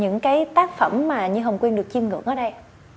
những cái tác phẩm mà như hồng quyên được chiêm ngưỡng ở đây